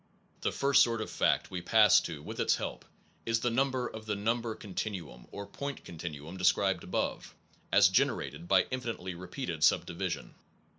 The first sort of fact we pass to with its help is the number of the number continuum Their uses or point continuum described above and de fects (page 173) as generated by infinitely repeated subdivision.